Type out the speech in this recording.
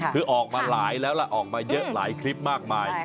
คือออกมาหลายแล้วล่ะออกมาเยอะหลายคลิปมากมาย